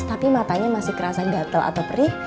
tapi matanya masih kerasa gatel atau perih